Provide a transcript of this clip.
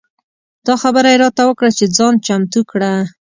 دا خبره یې راته وکړه چې ځان چمتو کړه.